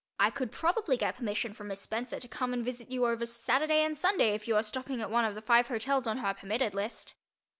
I could probably get permission from Miss Spencer to come and visit you over Saturday and Sunday if you are stopping at one of the five hotels on her "permitted" list.